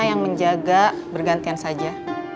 yang menjaga bergantian saja